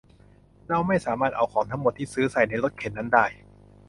เราไม่สามารถเอาของทั้งหมดที่ซื้อใส่ในรถเข็นนั้นได้